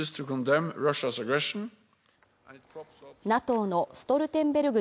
ＮＡＴＯのストルテンベルグ